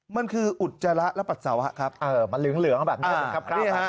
มันคืออุตจาระละปัดเสาฮะครับเออมันเหลืองแบบนี้ครับ